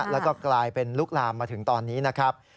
แล้วก็กลายเป็นลุกลามมาถึงตอนนี้นะครับ